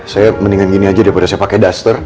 saya mendingan gini aja daripada saya pakai duster